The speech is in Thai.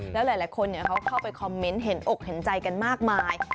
แล้วหลายคนเขาเข้าไปคอมเมนต์เห็นอกเห็นใจกันมากมาย